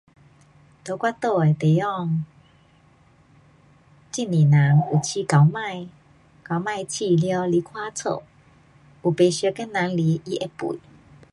在我住的地方，很多人有养狗霾，狗霾养了来看家。有不熟的人来，它会吠。